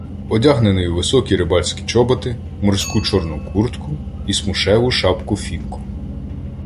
Одягнений у високі рибальські чоботи, морську чорну куртку і смушеву шапку "фінку".